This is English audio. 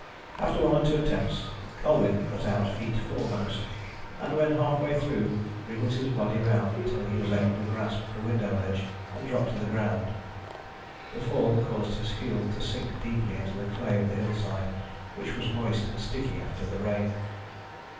After one or two attempts Colwyn got out feet foremost, and when half way through wriggled his body round until he was able to grasp the window ledge and drop to the ground. The fall caused his heels to sink deeply into the clay of the hillside, which was moist and sticky after the rain.